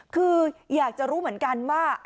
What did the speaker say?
คืออยากจะรู้เหมือนกันว่า